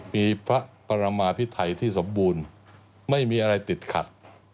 มีพระประมาพิไทยที่สมบูรณ์ไม่มีอะไรติดขัด